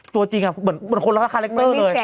จัวจริงเหมือนคนขาเกิดเลย